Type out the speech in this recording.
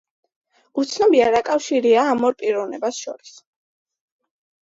უცნობია რა კავშირია ამ ორ პიროვნებას შორის.